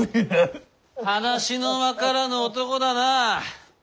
話の分からぬ男だな！